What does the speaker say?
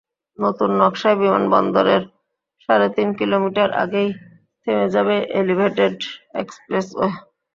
নতুন নকশায় বিমানবন্দরের সাড়ে তিন কিলোমিটার আগেই থেমে যাবে এলিভেটেড এক্সপ্রেসওয়ে।